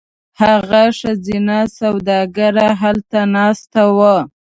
هغه ښځینه سوداګره هلته ناسته وه.